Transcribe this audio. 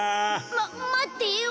まっまってよ